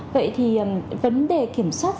vậy thì vấn đề kiểm soát